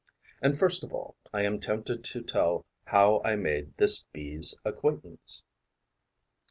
And, first of all, I am tempted to tell how I made this Bee's acquaintance.